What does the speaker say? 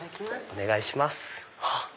お願いします。